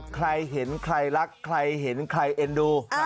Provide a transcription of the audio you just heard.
ใครเห็นใครรักใครเห็นใครเอ็นดู